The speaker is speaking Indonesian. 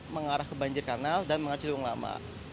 mengarah ke banjir kanal dan mengarah ciliwung lama